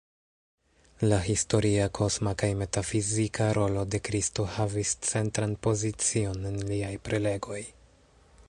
La historia, kosma kaj metafizika rolo de Kristo havis centran pozicion en liaj prelegoj.